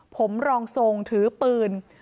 ผมรองทรงถือปืน